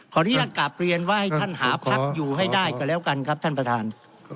อนุญาตกลับเรียนว่าให้ท่านหาพักอยู่ให้ได้ก็แล้วกันครับท่านประธาน